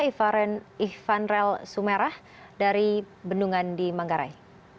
ifanrel sumerah dari bendungan di menggarai